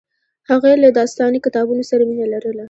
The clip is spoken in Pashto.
هغې له داستاني کتابونو سره مینه لرله